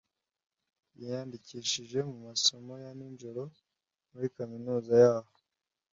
yiyandikishije mu masomo ya nijoro muri kaminuza yaho.